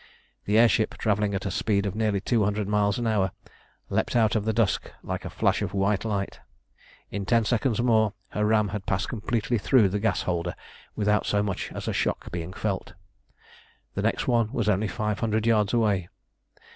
The air ship, travelling at a speed of nearly two hundred miles an hour, leapt out of the dusk like a flash of white light. In ten seconds more her ram had passed completely through the gas holder without so much as a shock being felt. The next one was only five hundred yards away.